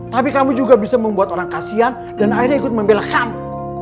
tapi kamu juga bisa membuat orang kasian dan akhirnya ikut membela kamu